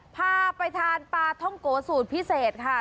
พาไปทานปลาท่องโกสูตรพิเศษค่ะ